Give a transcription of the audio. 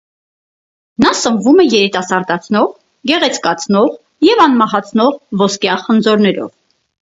Նա սնվում է երիտասարդացնող, գեղեցկացնող և անմահացնող ոսկյա խնձորներով։